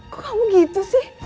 kok kamu gitu sih